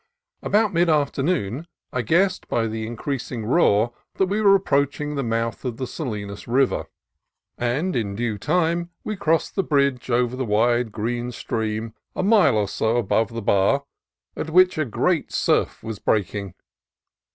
About mid afternoon I guessed by the increasing roar that we were approaching the mouth of the Salinas River, and in due time we crossed the bridge over the wide green stream a mile or so above the bar, on which a great surf was breaking.